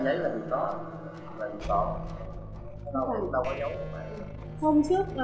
chứ không phải cái bản giấy là việc đó là việc còn đâu có giống như vậy